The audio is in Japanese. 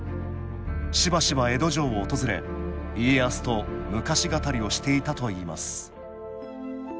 しばしば江戸城を訪れ家康と昔語りをしていたといいます